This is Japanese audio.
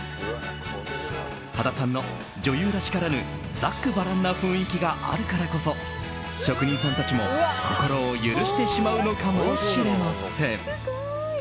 羽田さんの女優らしからぬざっくばらんな雰囲気があるからこそ職人さんたちも心を許してしまうのかもしれません。